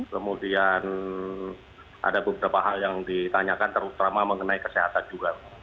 kemudian ada beberapa hal yang ditanyakan terutama mengenai kesehatan juga